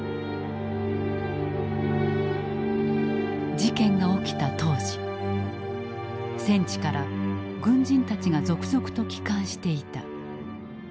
事件が起きた当時戦地から軍人たちが続々と帰還していた。